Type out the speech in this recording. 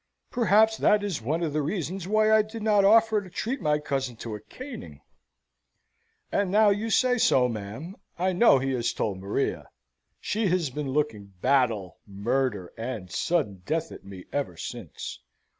Perhaps that is one of the reasons why I did not offer to treat my cousin to a caning. And now you say so, ma'am, I know he has told Maria. She has been looking battle, murder, and sudden death at me ever since.